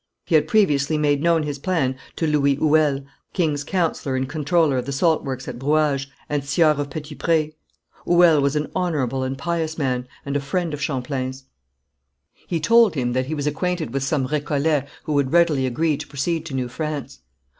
He had previously made known his plan to Louis Hoüel, king's councillor, and comptroller of the salt works at Brouage, and sieur of Petit Pré. Hoüel was an honourable and pious man, and a friend of Champlain. He told him that he was acquainted with some Récollets who would readily agree to proceed to New France.